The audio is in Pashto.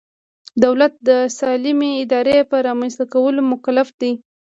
دولت د سالمې ادارې په رامنځته کولو مکلف دی.